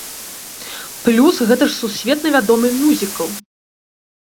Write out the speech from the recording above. Плюс гэта ж сусветна вядомы мюзікл.